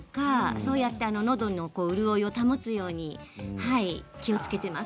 そうやって、のどの潤いを保つように気をつけています。